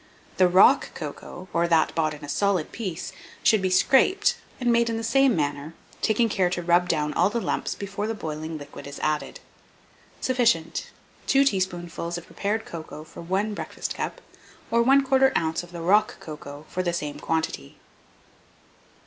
The rock cocoa, or that bought in a solid piece, should be scraped, and made in the same manner, taking care to rub down all the lumps before the boiling liquid is added. Sufficient 2 teaspoonfuls of prepared cocoa for 1 breakfast cup, or 1/4 oz. of the rock cocoa for the same quantity.